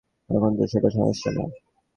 এখন তো সেটা সমস্যা না।